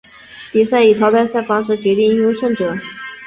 比赛以淘汰赛方式决定优胜者。